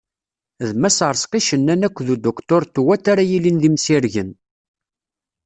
D Mass Arezqi Cennan akked uduktur Tuwat ara yilin d imsirgen.